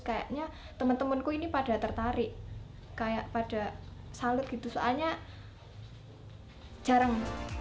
kayaknya temen temenku ini pada tertarik kayak pada salut gitu soalnya jarang